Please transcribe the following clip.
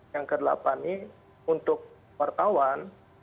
yang ke delapan ini untuk wartawan